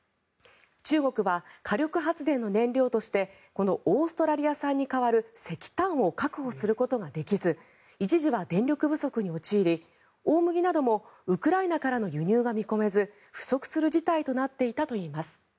中国は火力発電の燃料としてこのオーストラリア産に代わる石炭を確保することができず一時は電力不足に陥り大麦などもウクライナからの輸入が見込めず不足する事態となっていたといいます。